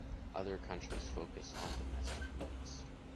Other countries focus on domestic needs.